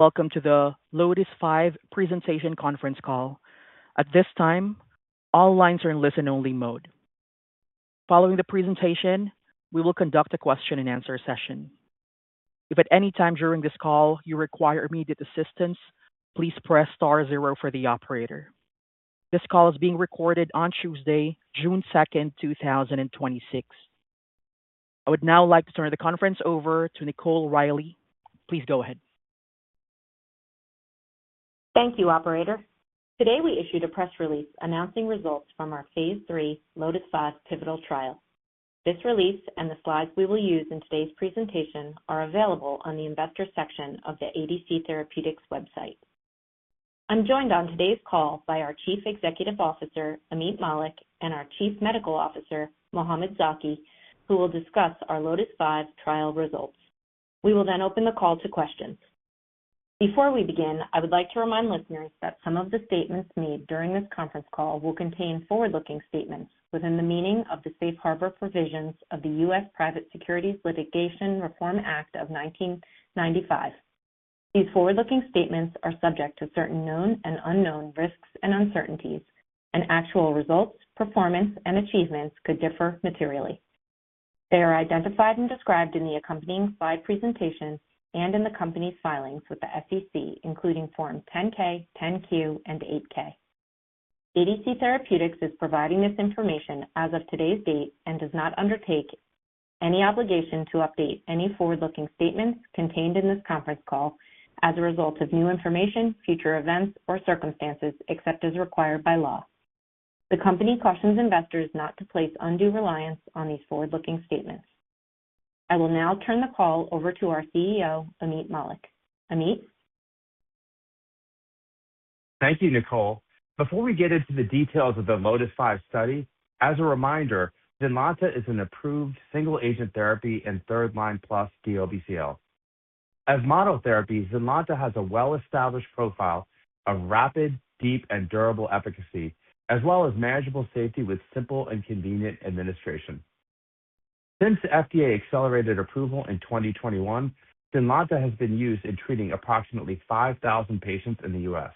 Welcome to the LOTIS-5 presentation conference call. At this time, all lines are in listen-only mode. Following the presentation, we will conduct a question and answer session. If at any time during this call you require immediate assistance, please press star zero for the operator. This call is being recorded on Tuesday, June 2nd, 2026. I would now like to turn the conference over to Nicole Riley. Please go ahead. Thank you, operator. Today we issued a press release announcing results from our phase III LOTIS-5 pivotal trial. This release and the slides we will use in today's presentation are available on the investors section of the ADC Therapeutics website. I'm joined on today's call by our Chief Executive Officer, Ameet Mallik, and our Chief Medical Officer, Mohamed Zaki, who will discuss our LOTIS-5 trial results. We will open the call to questions. Before we begin, I would like to remind listeners that some of the statements made during this conference call will contain forward-looking statements within the meaning of the Safe Harbor provisions of the U.S. Private Securities Litigation Reform Act of 1995. These forward-looking statements are subject to certain known and unknown risks and uncertainties, and actual results, performance, and achievements could differ materially. They are identified and described in the accompanying slide presentation and in the company's filings with the SEC, including forms 10-K, 10-Q, and 8-K. ADC Therapeutics is providing this information as of today's date and does not undertake any obligation to update any forward-looking statements contained in this conference call as a result of new information, future events, or circumstances except as required by law. The company cautions investors not to place undue reliance on these forward-looking statements. I will now turn the call over to our CEO, Ameet Mallik. Ameet? Thank you, Nicole. Before we get into the details of the LOTIS-5 study, as a reminder, ZYNLONTA is an approved single-agent therapy in 3L+ DLBCL. As monotherapy, ZYNLONTA has a well-established profile of rapid, deep, and durable efficacy, as well as manageable safety with simple and convenient administration. Since FDA accelerated approval in 2021, ZYNLONTA has been used in treating approximately 5,000 patients in the U.S.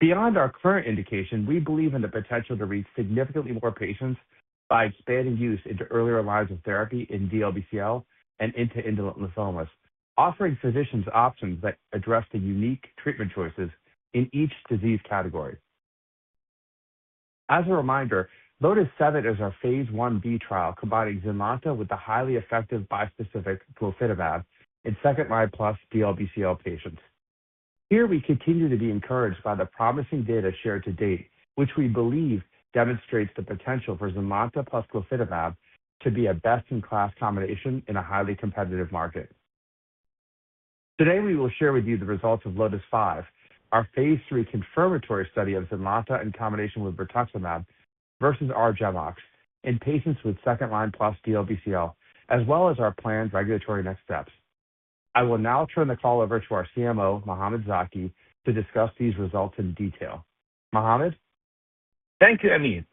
Beyond our current indication, we believe in the potential to reach significantly more patients by expanding use into earlier lines of therapy in DLBCL and into indolent lymphomas, offering physicians options that address the unique treatment choices in each disease category. As a reminder, LOTIS-7 is our phase I-B trial combining ZYNLONTA with the highly effective bispecific glofitamab in 2L+ DLBCL patients. Here we continue to be encouraged by the promising data shared to date, which we believe demonstrates the potential for ZYNLONTA plus glofitamab to be a best-in-class combination in a highly competitive market. Today, we will share with you the results of LOTIS-5, our phase III confirmatory study of ZYNLONTA in combination with rituximab versus R-GemOx in patients with 2L+ DLBCL, as well as our planned regulatory next steps. I will now turn the call over to our CMO, Mohamed Zaki, to discuss these results in detail. Mohamed? Thank you, Ameet.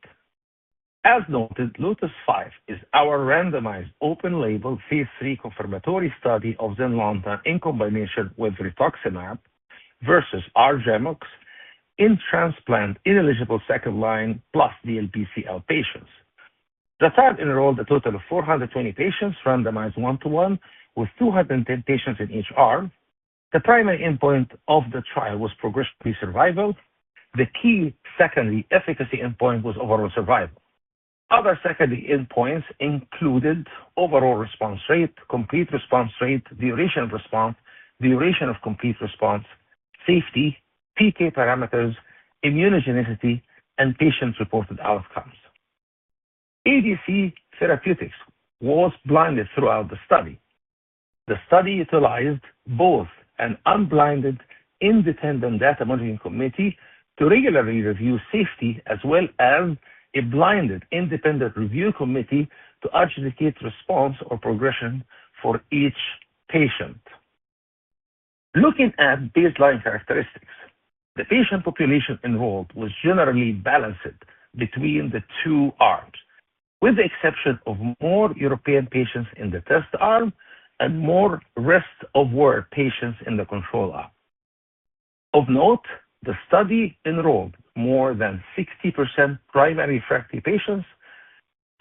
As noted, LOTIS-5 is our randomized open label phase III confirmatory study of ZYNLONTA in combination with rituximab versus R-GemOx in transplant-ineligible 2L+ DLBCL patients. The trial enrolled a total of 420 patients, randomized 1:1, with 210 patients in each arm. The primary endpoint of the trial was progression-free survival. The key secondary efficacy endpoint was overall survival. Other secondary endpoints included overall response rate, complete response rate, duration of response, duration of complete response, safety, PK parameters, immunogenicity, and patient-supported outcomes. ADC Therapeutics was blinded throughout the study. The study utilized both an unblinded independent data monitoring committee to regularly review safety as well as a blinded independent review committee to adjudicate response or progression for each patient. Looking at baseline characteristics, the patient population enrolled was generally balanced between the two arms, with the exception of more European patients in the test arm and more rest-of-world patients in the control arm. Of note, the study enrolled more than 60% primary refractory patients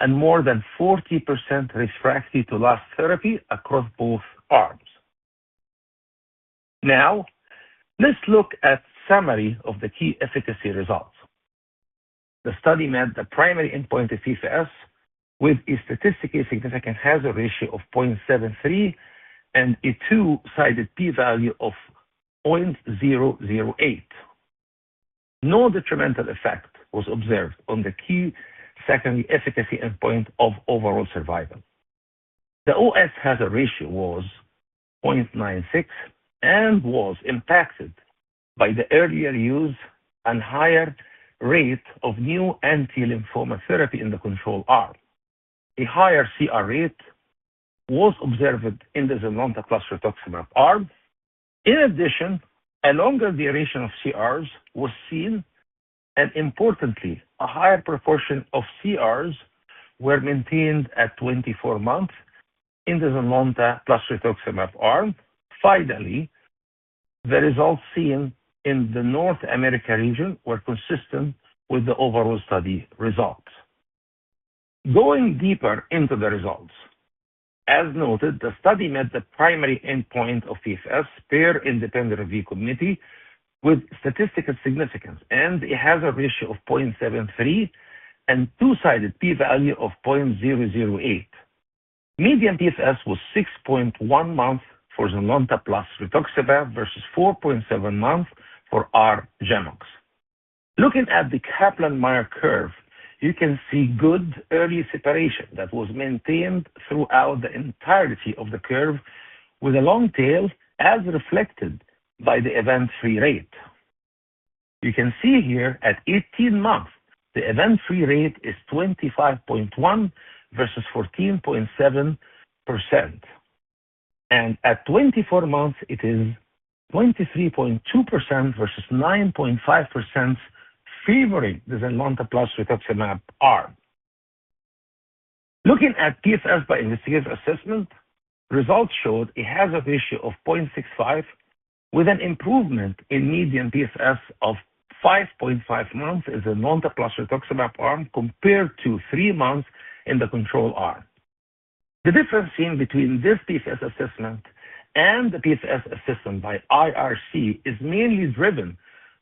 and more than 40% refractory to last therapy across both arms. Let's look at summary of the key efficacy results. The study met the primary endpoint of PFS with a statistically significant hazard ratio of 0.73 and a two-sided p-value of 0.008. No detrimental effect was observed on the key second efficacy endpoint of overall survival. The OS hazard ratio was 0.96 and was impacted by the earlier use and higher rate of new anti-lymphoma therapy in the control arm. A higher CR rate was observed in the ZYNLONTA plus rituximab arm. In addition, a longer duration of CRs was seen. Importantly, a higher proportion of CRs were maintained at 24 months in the ZYNLONTA plus rituximab arm. Finally, the results seen in the North America region were consistent with the overall study results. Going deeper into the results, as noted, the study met the primary endpoint of PFS per independent review committee with statistical significance, and a hazard ratio of 0.73 and two-sided p-value of 0.008. Median PFS was 6.1 months for ZYNLONTA plus rituximab versus 4.7 months for R-GemOx. Looking at the Kaplan-Meier curve, you can see good early separation that was maintained throughout the entirety of the curve with a long tail, as reflected by the event-free rate. You can see here at 18 months, the event-free rate is 25.1% versus 14.7%, and at 24 months, it is 23.2% versus 9.5%, favoring the ZYNLONTA plus rituximab arm. Looking at PFS by investigator assessment, results showed a hazard ratio of 0.65 with an improvement in median PFS of 5.5 months in the ZYNLONTA plus rituximab arm compared to three months in the control arm. The difference seen between this PFS assessment and the PFS assessment by IRC is mainly driven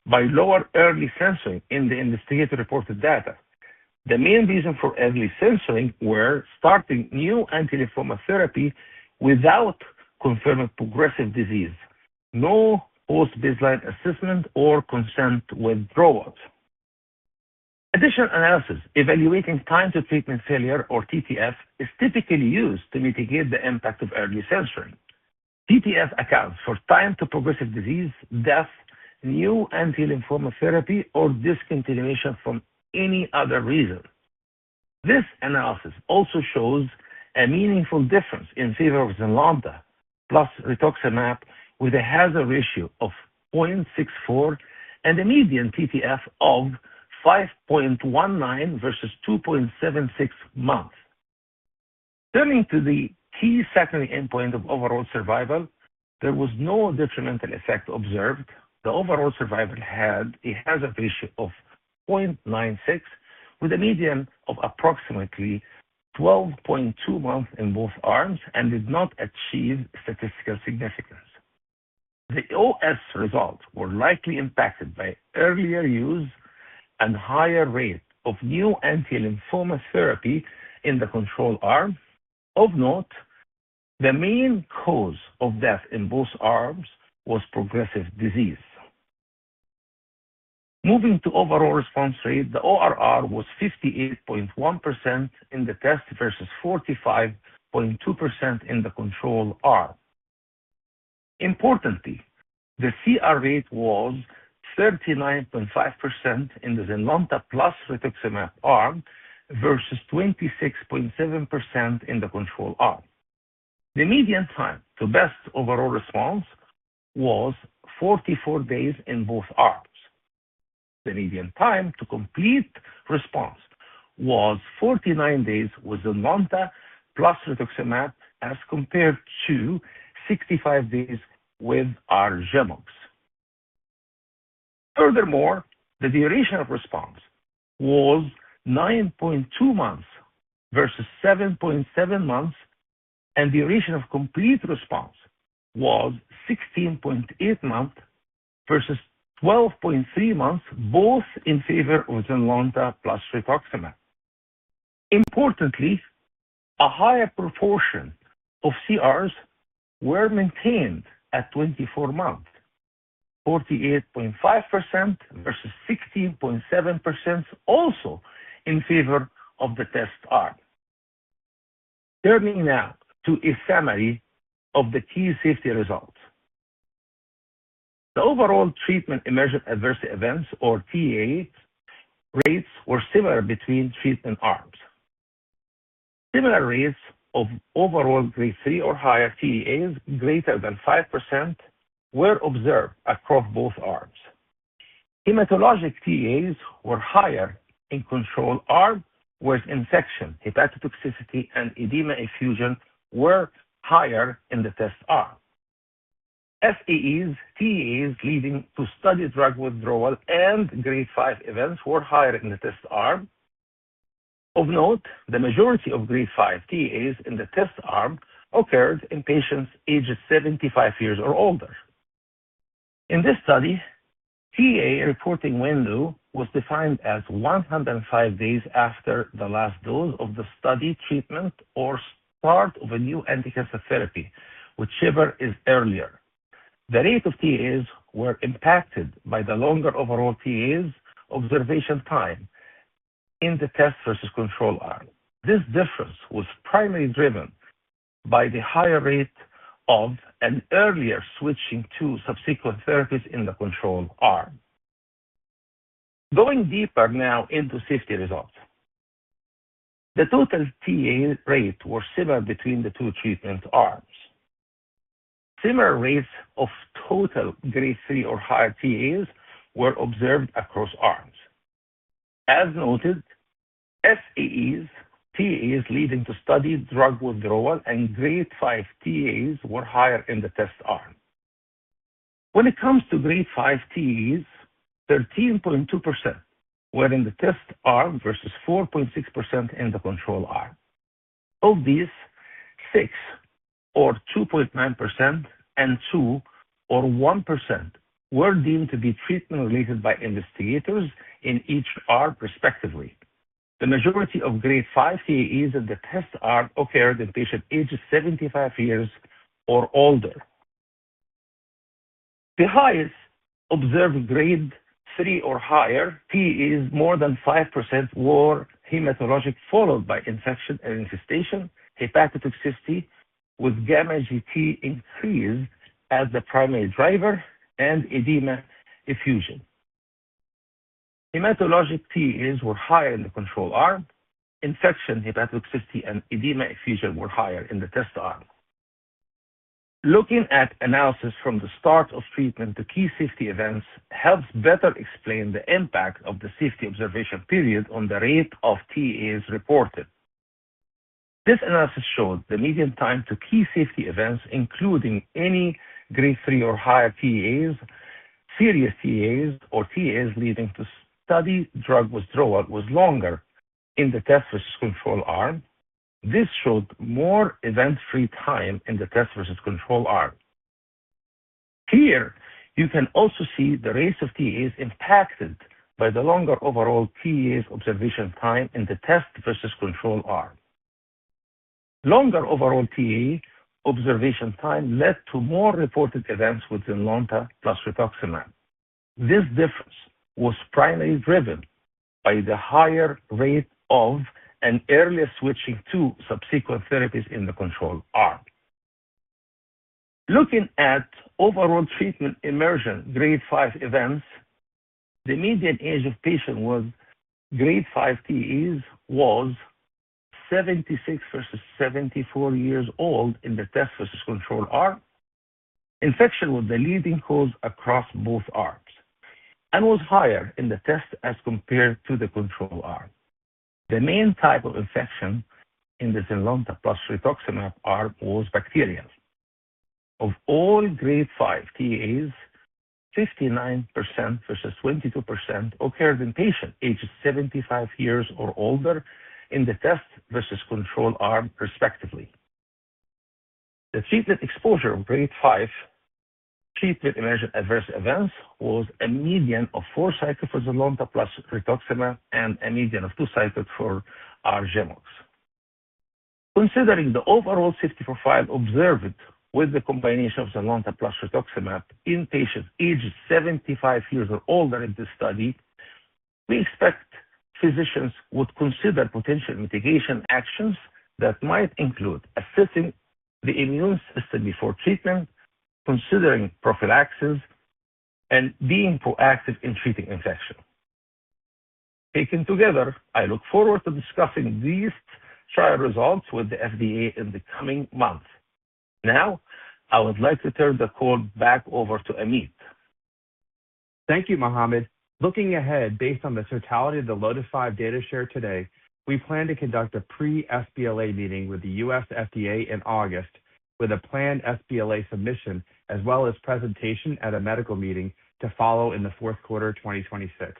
by lower early censoring in the investigator-reported data. The main reason for early censoring were starting new anti-lymphoma therapy without confirming progressive disease, no post-baseline assessment, or consent withdrawals. Additional analysis evaluating time to treatment failure, or TTF, is typically used to mitigate the impact of early censoring. TTF accounts for time to progressive disease, death, new anti-lymphoma therapy, or discontinuation from any other reason. This analysis also shows a meaningful difference in favor of ZYNLONTA plus rituximab with a hazard ratio of 0.64 and a median TTF of 5.19 versus 2.76 months. Turning to the key secondary endpoint of overall survival, there was no detrimental effect observed. The overall survival had a hazard ratio of 0.96 with a median of approximately 12.2 months in both arms and did not achieve statistical significance. The OS results were likely impacted by earlier use and higher rate of new anti-lymphoma therapy in the control arm. Of note, the main cause of death in both arms was progressive disease. Moving to overall response rate, the ORR was 58.1% in the test versus 45.2% in the control arm. Importantly, the CR rate was 39.5% in the ZYNLONTA plus rituximab arm versus 26.7% in the control arm. The median time to best overall response was 44 days in both arms. The median time to complete response was 49 days with ZYNLONTA plus rituximab as compared to 65 days with R-GemOx. The duration of response was 9.2 months versus 7.7 months, and duration of complete response was 16.8 months versus 12.3 months, both in favor of ZYNLONTA plus rituximab. Importantly, a higher proportion of CRs were maintained at 24 months, 48.5% versus 16.7%, also in favor of the test arm. Turning now to a summary of the key safety results. The overall treatment-emergent adverse events, or TEAE, rates were similar between treated arms. Similar rates of overall Grade 3 or higher TEAEs greater than 5% were observed across both arms. Hematologic TEAEs were higher in control arm, whereas infection, hepatotoxicity, and edema effusion were higher in the test arm. SAEs, TEAEs leading to study drug withdrawal, and Grade 5 events were higher in the test arm. Of note, the majority of Grade 5 TEAEs in the test arm occurred in patients aged 75 years or older. In this study, TEAE reporting window was defined as 105 days after the last dose of the study treatment or start of a new anticancer therapy, whichever is earlier. The rate of TEAEs were impacted by the longer overall TEAEs observation time in the test versus control arm. This difference was primarily driven by the higher rate of an earlier switching to subsequent therapies in the control arm. Going deeper now into safety results. The total TEAE rate was similar between the two treatment arms. Similar rates of total Grade 3 or higher TEAEs were observed across arms. As noted, SAEs, TEAEs leading to study drug withdrawal, and Grade 5 TEAEs were higher in the test arm. When it comes to Grade 5 TEAEs, 13.2% were in the test arm versus 4.6% in the control arm. Of these, six or 2.9% and two or 1% were deemed to be treatment-related by investigators in each arm respectively. The majority of Grade 5 TEAEs in the test arm occurred in patients aged 75 years or older. The highest observed Grade 3 or higher TEAEs, more than 5%, were hematologic, followed by infection and infestation, hepatic toxicity with gamma-GT increase as the primary driver, and edema effusion. Hematologic TEAEs were higher in the control arm. Infection, hepatic toxicity, and edema effusion were higher in the test arm. Looking at analysis from the start of treatment to key safety events helps better explain the impact of the safety observation period on the rate of TEAEs reported. This analysis showed the median time to key safety events, including any Grade 3 or higher TEAEs, serious TEAEs, or TEAEs leading to study drug withdrawal, was longer in the test versus control arm. This showed more event-free time in the test versus control arm. Here, you can also see the rates of TEAEs impacted by the longer overall TEAEs observation time in the test versus control arm. Longer overall TEAE observation time led to more reported events with ZYNLONTA plus rituximab. This difference was primarily driven by the higher rate of and earlier switching to subsequent therapies in the control arm. Looking at overall treatment-emergent Grade 5 events, the median age of patients with Grade 5 TEAEs was 76 versus 74 years old in the test versus control arm. Infection was the leading cause across both arms and was higher in the test as compared to the control arm. The main type of infection in the ZYNLONTA plus rituximab arm was bacterial. Of all Grade 5 TEAEs, 59% versus 22% occurred in patients aged 75 years or older in the test versus control arm respectively. The treatment exposure of Grade 5 treatment-emergent adverse events was a median of four cycles for ZYNLONTA plus rituximab and a median of two cycles for R-GemOx. Considering the overall safety profile observed with the combination of ZYNLONTA plus rituximab in patients aged 75 years or older in this study, we expect physicians would consider potential mitigation actions that might include assessing the immune system before treatment, considering prophylaxis, and being proactive in treating infection. Taken together, I look forward to discussing these trial results with the FDA in the coming months. Now, I would like to turn the call back over to Ameet. Thank you, Mohamed. Looking ahead, based on the totality of the LOTIS-5 data shared today, we plan to conduct a pre-sBLA meeting with the U.S. FDA in August with a planned sBLA submission, as well as presentation at a medical meeting to follow in the fourth quarter 2026.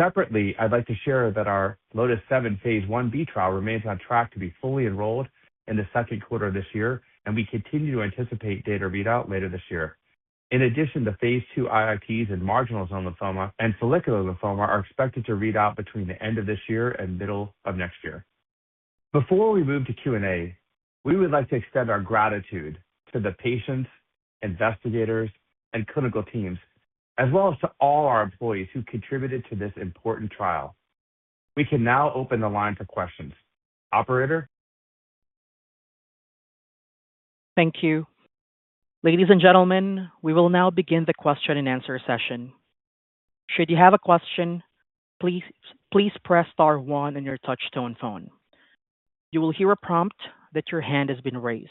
Separately, I'd like to share that our LOTIS-7 phase I-B trial remains on track to be fully enrolled in the second quarter of this year, and we continue to anticipate data readout later this year. In addition, the phase II IITs in marginal zone lymphoma and follicular lymphoma are expected to read out between the end of this year and middle of next year. Before we move to Q&A, we would like to extend our gratitude to the patients, investigators, and clinical teams, as well as to all our employees who contributed to this important trial. We can now open the line for questions. Operator? Thank you. Ladies and gentlemen, we will now begin the question and answer session. Should you have a question, please press star one on your touch-tone phone. You will hear a prompt that your hand has been raised.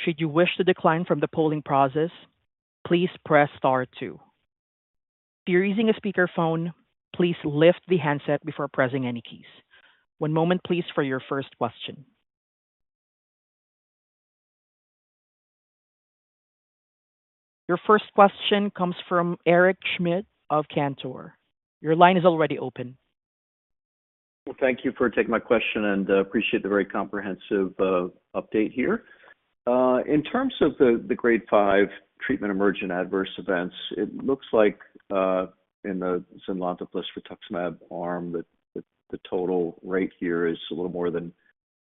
Should you wish to decline from the polling process, please press star two. If you're using a speakerphone, please lift the handset before pressing any keys. One moment, please, for your first question. Your first question comes from Eric Schmidt of Cantor. Your line is already open. Thank you for taking my question, and appreciate the very comprehensive update here. In terms of the Grade 5 treatment-emergent adverse events, it looks like in the ZYNLONTA plus rituximab arm that the total rate here is a little more than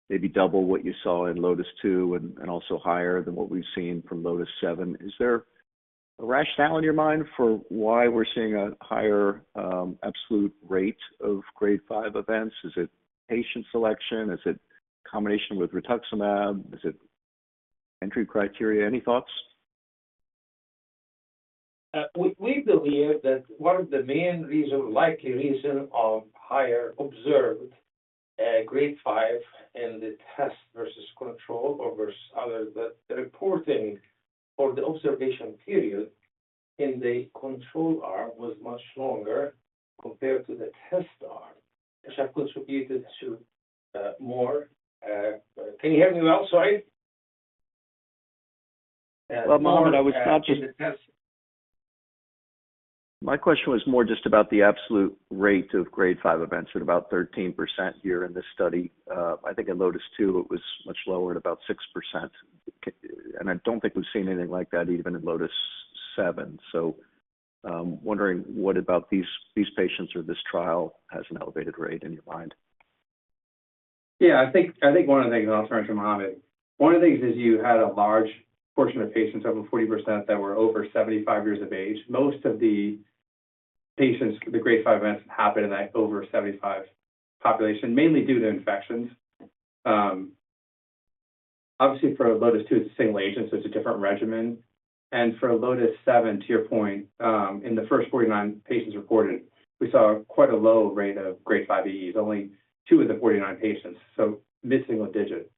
maybe double what you saw in LOTIS-2 and also higher than what we've seen from LOTIS-7. Is there a rationale in your mind for why we're seeing a higher absolute rate of Grade 5 events? Is it patient selection? Is it combination with rituximab? Is it entry criteria? Any thoughts? We believe that one of the main likely reason of higher observed Grade 5 in the test versus control, or versus others, the reporting or the observation period in the control arm was much longer compared to the test arm, which have contributed to more. Can you hear me well, sorry? Well, Mohamed, I was. In the test- My question was more just about the absolute rate of Grade 5 events at about 13% here in this study. I think in LOTIS-2 it was much lower, at about 6%. I don't think we've seen anything like that even in LOTIS-7. Wondering what about these patients or this trial has an elevated rate in your mind? Yeah, I think one of the things, and I'll turn it to Mohamed. One of the things is you had a large portion of patients, over 40%, that were over 75 years of age. Most of the patients with the Grade 5 events happened in that over 75 population, mainly due to infections. Obviously, for LOTIS-2 it's the same agent, so it's a different regimen. For LOTIS-7, to your point, in the first 49 patients reported, we saw quite a low rate of Grade 5 AEs, only two of the 49 patients, so mid-single digit.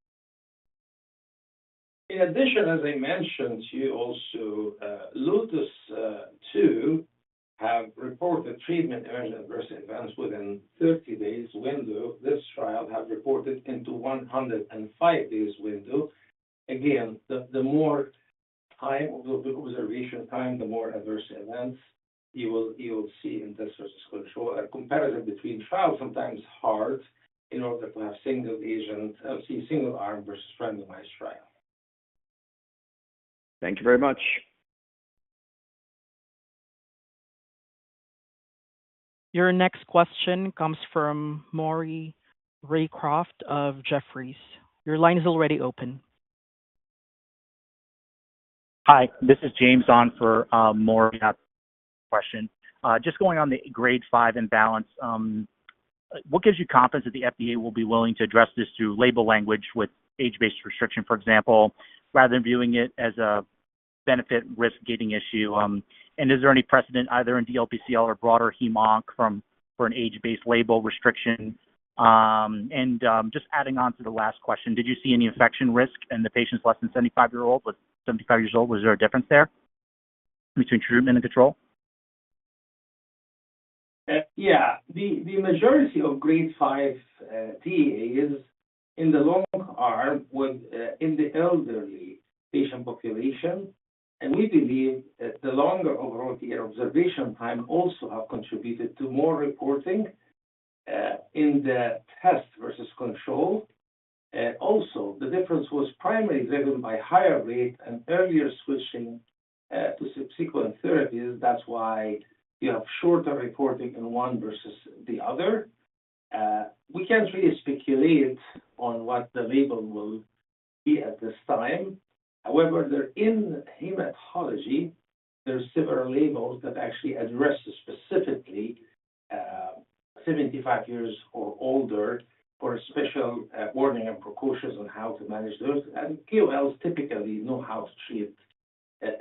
In addition, as I mentioned to you also, LOTIS-2 has reported treatment-emergent adverse events within 30-day window. This trial has reported into 105-day window. Again, the more observation time, the more adverse events you will see in the control arm. A comparison between trials sometimes is hard in order to have single-agent, single-arm versus randomized trial. Thank you very much. Your next question comes from Maury Raycroft of Jefferies. Your line is already open. Hi. This is James on for Maury. Question. Just going on the Grade 5 imbalance, what gives you confidence that the FDA will be willing to address this through label language with age-based restriction, for example, rather than viewing it as a benefit-risk gating issue? Is there any precedent either in DLBCL or broader hema-onc for an age-based label restriction? Just adding on to the last question, did you see any infection risk in the patients less than 75 years old? Was there a difference there between treatment and control? Yeah. The majority of Grade 5 TEAEs in ZYNLONTA arm was in the elderly patient population, and we believe that the longer overall the observation time also have contributed to more reporting in the test versus control. Also, the difference was primarily driven by higher rate and earlier switching to subsequent therapies. That's why you have shorter reporting in one versus the other. We can't really speculate on what the label will be at this time. However, in hematology, there's several labels that actually address specifically 75 years or older for special warning and precautions on how to manage those. KOLs typically know how to treat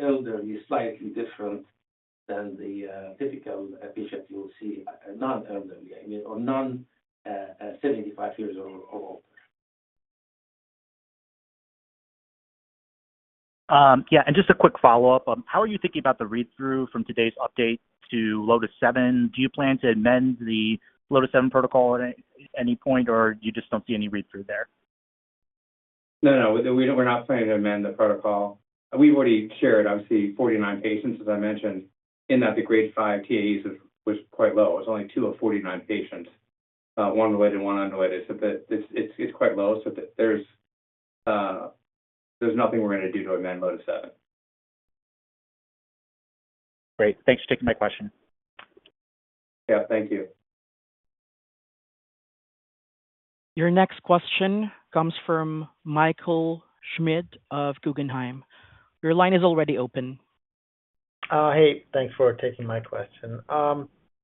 elderly slightly different than the typical patient you will see non-elderly, or non-75 years or older. Yeah. Just a quick follow-up. How are you thinking about the read-through from today's update to LOTIS-7? Do you plan to amend the LOTIS-7 protocol at any point, or you just don't see any read-through there? No, no, we're not planning to amend the protocol. We've already shared, obviously, 49 patients, as I mentioned. In that, the Grade 5 TEAEs was quite low. It was only two of 49 patients, one related and one unrelated. It's quite low. There's nothing we're going to do to amend LOTIS-7. Great. Thanks for taking my question. Yeah. Thank you. Your next question comes from Michael Schmidt of Guggenheim. Your line is already open. Hey, thanks for taking my question.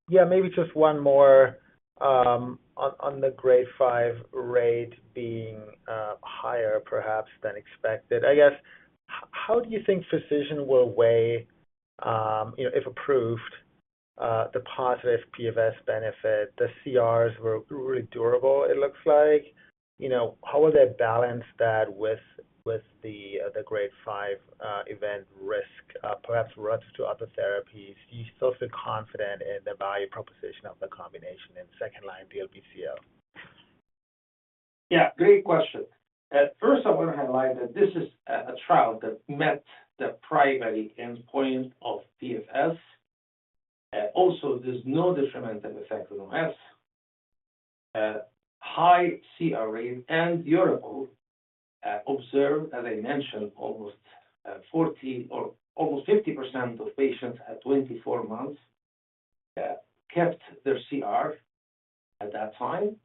Yeah, maybe just one more on the Grade 5 rate being higher perhaps than expected. I guess, how do you think physicians will weigh, if approved, the positive PFS benefit? The CRs were really durable, it looks like. How will they balance that with the Grade 5 event risk, perhaps relative to other therapies? Do you still feel confident in the value proposition of the combination in second-line DLBCL? Great question. First, I want to highlight that this is a trial that met the primary endpoint of PFS. Also, there's no detrimental effect on OS. High CR rate and durable observed, as I mentioned, almost 50% of patients at 24 months kept their CR at that time.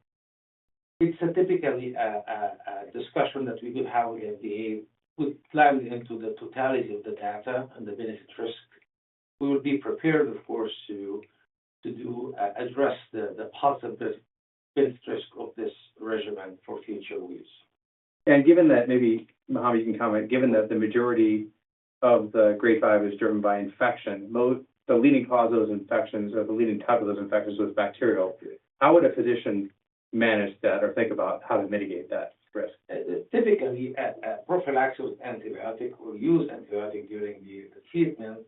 It's typically a discussion that we will have with the FDA with planning into the totality of the data and the benefit risk. We would be prepared, of course, to address the positive benefit risk of this regimen for future use. Given that maybe, Mohamed, you can comment, given that the majority of the Grade 5 is driven by infection, the leading cause of those infections or the leading type of those infections was bacterial. How would a physician manage that or think about how to mitigate that risk? Typically, a prophylactic antibiotic or use antibiotic during the treatment.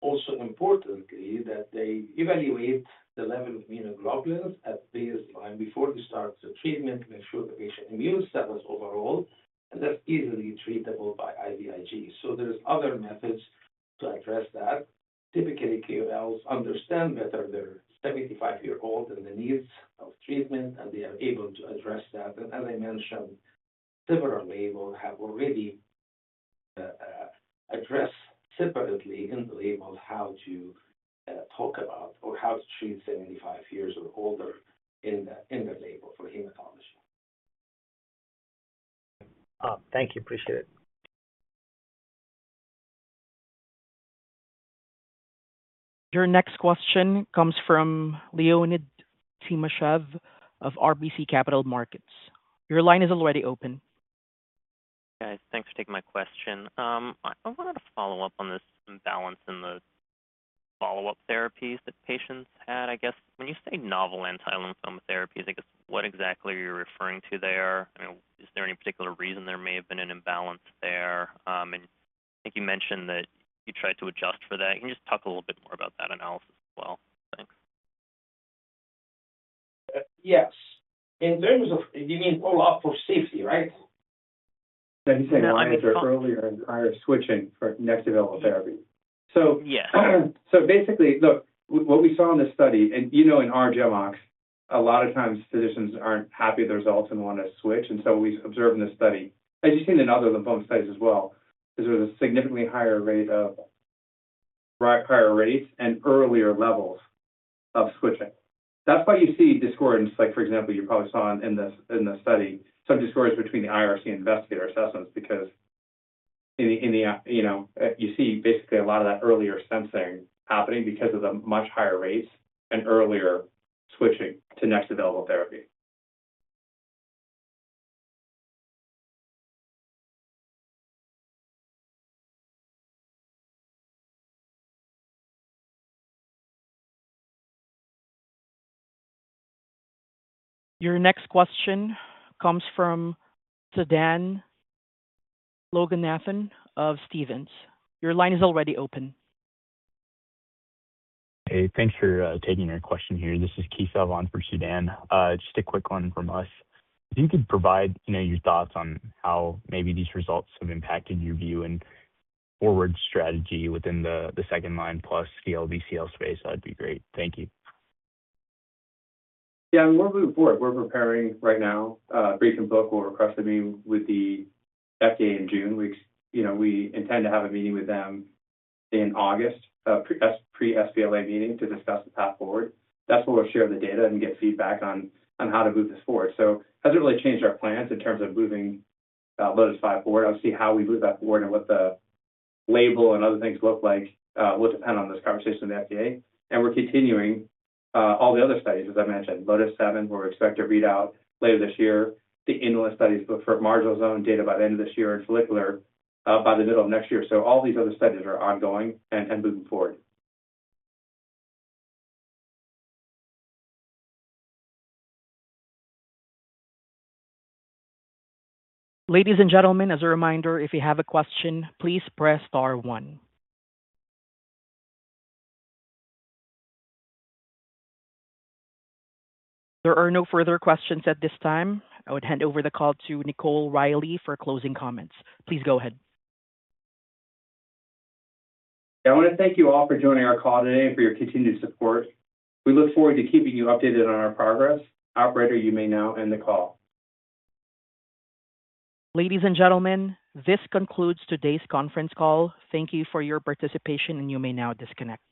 Also importantly, that they evaluate the level of immunoglobulins at baseline before they start the treatment, make sure the patient immune status overall, and that's easily treatable by IVIG. There's other methods to address that. Typically, KOLs understand better they're 75 years old and the needs of treatment, and they are able to address that. As I mentioned, several label have already address separately in the label how to talk about or how to treat 75 years or older in the label for hematology. Thank you. Appreciate it. Your next question comes from Leonid Timashev of RBC Capital Markets. Your line is already open. Guys, thanks for taking my question. I wanted to follow up on this imbalance in the follow-up therapies that patients had. I guess when you say novel anti-lymphoma therapies, I guess what exactly are you referring to there? Is there any particular reason there may have been an imbalance there? I think you mentioned that you tried to adjust for that. Can you just talk a little bit more about that analysis as well? Thanks. Yes. You mean follow-up for safety, right? You say earlier, switching for next available therapy. Yeah. Basically, look, what we saw in this study and in R-GemOx, a lot of times physicians aren't happy with the results and want to switch. We observed in this study, as you've seen in other lymphoma studies as well, is there was a significantly higher rate of prior rates and earlier levels of switching. That's why you see discordance, like for example, you probably saw in the study some discordance between the IRC and investigator assessments because you see basically a lot of that earlier censoring happening because of the much higher rates and earlier switching to next available therapy. Your next question comes from Sudan Loganathan of Stephens. Your line is already open. Hey, thanks for taking your question here. This is [Keith Avan] for Sutan. Just a quick one from us. If you could provide your thoughts on how maybe these results have impacted your view and forward strategy within the 2L+ DLBCL space, that'd be great. Thank you. Yeah, we're moving forward. We're preparing right now a briefing book request to meet with the FDA in June. We intend to have a meeting with them in August, a pre-sBLA meeting to discuss the path forward. That's where we'll share the data and get feedback on how to move this forward. It hasn't really changed our plans in terms of moving LOTIS-5 forward. Obviously, how we move that forward and what the label and other things look like will depend on this conversation with the FDA. We're continuing all the other studies, as I mentioned. LOTIS-7, we'll expect to read out later this year. The IIT studies for marginal zone data by the end of this year and follicular by the middle of next year. All these other studies are ongoing and moving forward. Ladies and gentlemen, as a reminder, if you have a question, please press star one. There are no further questions at this time. I would hand over the call to Nicole Riley for closing comments. Please go ahead. I want to thank you all for joining our call today and for your continued support. We look forward to keeping you updated on our progress. Operator, you may now end the call. Ladies and gentlemen, this concludes today's conference call. Thank you for your participation, and you may now disconnect.